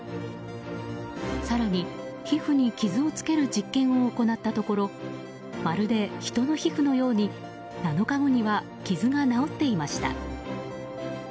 更に、皮膚に傷をつける実験を行ったところまるで人の皮膚のように７日後には傷が治っていました。